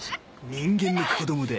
人間の子供だ。